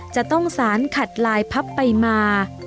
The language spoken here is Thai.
จะต้องสารขัดลายพับไปมา